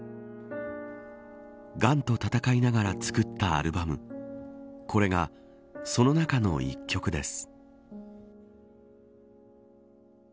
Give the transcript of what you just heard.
がんと闘いながら作ったアルバムこれが、その中の一曲です。